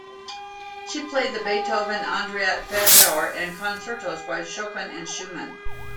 She played the Beethoven Andante Favori and concertos by Chopin and Schumann.